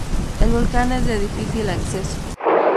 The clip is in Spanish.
El volcán es de difícil acceso.